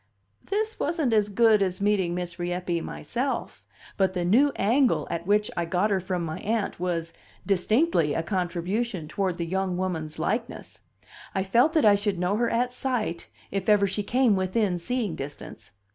This wasn't as good as meeting Miss Rieppe myself; but the new angle at which I got her from my Aunt was distinctly a contribution toward the young woman's likeness; I felt that I should know her at sight, if ever she came within seeing distance.